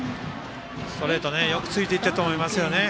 ストレートよくついていったと思いますね。